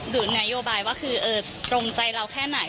นโยบายว่าคือตรงใจเราแค่ไหน